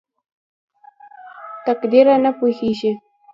تقديره ته پوهېږې??